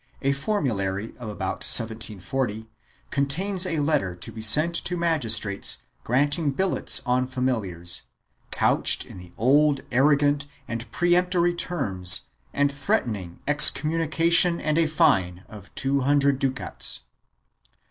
A formulary of about 1740 contains a letter to be sent to magistrates granting billets on familiars, couched in the old arrogant and peremptory terms and threatening excommunica tion and a fine of two hundred ducats.